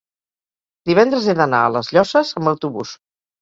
divendres he d'anar a les Llosses amb autobús.